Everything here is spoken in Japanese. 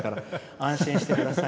安心してください。